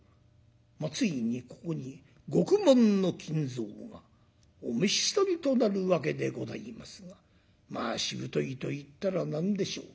ついにここに獄門の金蔵がお召し捕りとなるわけでございますがまあしぶといと言ったら何でしょうか。